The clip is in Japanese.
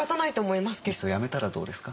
いっそやめたらどうですか？